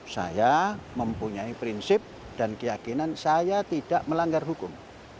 saya mempunyai prinsip dan keyakinan saya tidak melanggar hukum